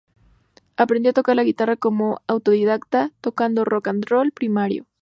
Aprendió a tocar la guitarra como autodidacta, tocando rock and roll primario.